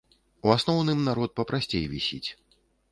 У асноўным народ папрасцей вісіць.